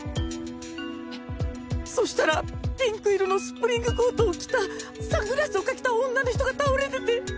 そしたらピンク色のスプリングコートを着たサングラスをかけた女の人が倒れてて。